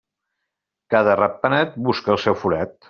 Cada ratpenat busca el seu forat.